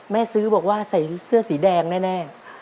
ซื้อบอกว่าใส่เสื้อสีแดงแน่